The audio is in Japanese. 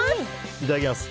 いただきます。